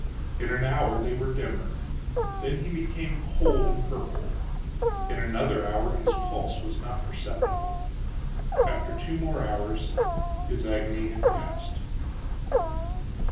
In an hour they were dimmer; then he became cold and purple. In another hour his pulse was not perceptible. After two more hours his agony had passed.